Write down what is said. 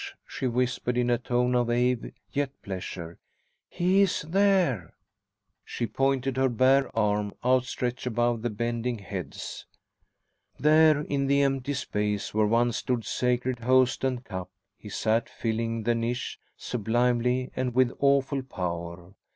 she whispered in a tone of awe, yet pleasure. "He is there!" She pointed, her bare arm outstretched above the bending heads. There, in the empty space, where once stood sacred Host and Cup, he sat, filling the niche sublimely and with awful power.